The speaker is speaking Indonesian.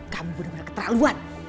kamu bener bener keterlaluan